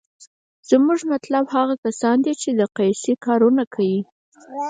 زمونګه مطلوب هغه کسان دي چې دقسې کارونه کيي.